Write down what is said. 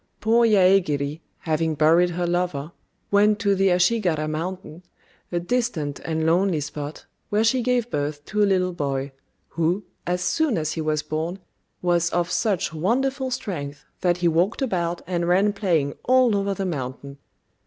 Poor Yaégiri, having buried her lover, went to the Ashigara Mountain, a distant and lonely spot, where she gave birth to a little boy, who, as soon as he was born, was of such wonderful strength that he walked about and ran playing all over the mountain.